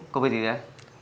có việc gì đấy